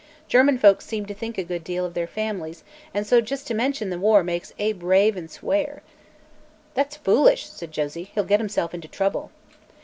German folks seem to think a good, deal of their families, an' so jest to mention the war makes Abe rave an' swear." "That's foolish," said Josie. "He'll get himself into trouble."